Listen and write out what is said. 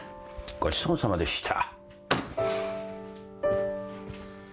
ごちそうさまでした。